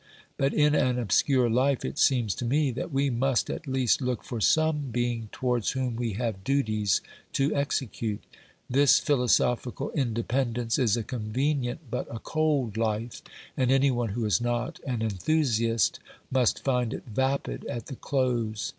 But in an obscure life it seems to me that we must at least look for some being towards whom we have duties to execute. This philo sophical independence is a convenient but a cold life, and any one who is not an enthusiast must find it vapid at the close.